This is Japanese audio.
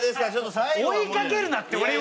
追いかけるなって俺を。